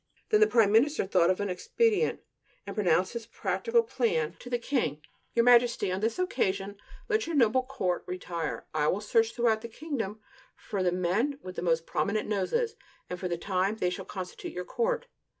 Then the prime minister thought of an expedient, and propounded this practical plan to the king: "Your Majesty, on this occasion let your noble court retire; I will search throughout the kingdom for the men with the most prominent noses, and for the time they shall constitute your court."